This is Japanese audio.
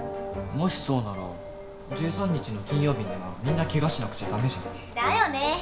もしそうなら１３日の金曜日にはみんなケガしなくちゃダメじゃん。だよね。